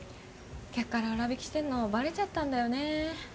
客から裏引きしてるのバレちゃったんだよね。